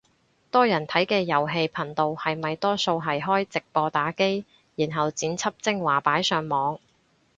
多人睇嘅遊戲頻道係咪多數係開直播打機，然後剪輯精華擺上網